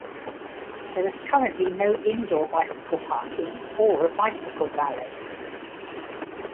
There is currently no indoor bicycle parking or a bicycle valet.